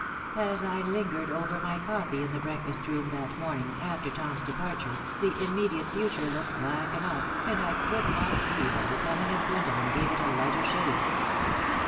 As I lingered over my coffee in the breakfast room that morning, after Tom's departure, the immediate future looked black enough, and I could not see that the coming of Gwendolen gave it a lighter shade.